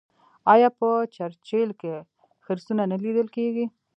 آیا په چرچیل کې خرسونه نه لیدل کیږي؟